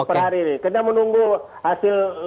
kena menunggu hasil